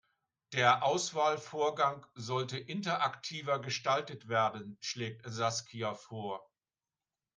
Der Auswahlvorgang sollte interaktiver gestaltet werden, schlägt Saskia vor.